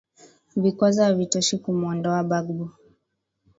vikwazo havitoshi kumuondoa bagbo